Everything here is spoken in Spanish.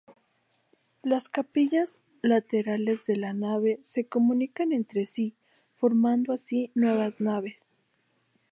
Las capillas laterales de la nave se comunican entre sí, formando así nuevas naves.